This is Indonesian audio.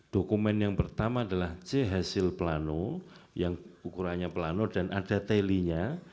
dokumen yang pertama adalah c hasil plano yang ukurannya plano dan ada teli nya